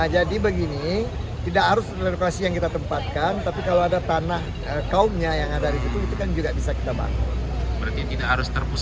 jadi begini tidak harus relokasi yang kita tempatkan tapi kalau ada tanah kaumnya yang ada di situ itu kan juga bisa kita bantu